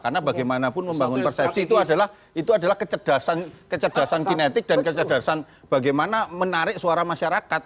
karena bagaimanapun membangun persepsi itu adalah kecerdasan kinetik dan kecerdasan bagaimana menarik suara masyarakat